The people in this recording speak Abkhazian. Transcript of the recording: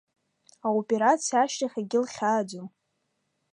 Аоперациа ашьҭахь акгьы лхьааӡом.